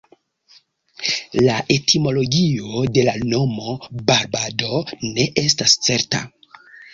La etimologio de la nomo "Barbado" ne estas certa.